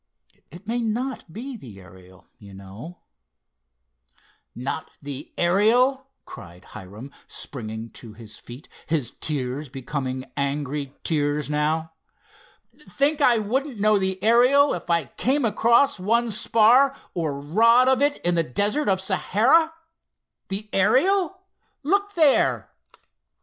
It may not be the Ariel, you know——" "Not the Ariel," cried Hiram, springing to his feet, his tears becoming angry tears now. "Think I wouldn't know the Ariel if I came across one spar, or rod of it in the desert of Sahara? The Ariel? Look there!"